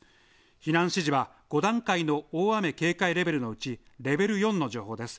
避難指示は５段階の大雨警戒レベルのうちレベル４の情報です。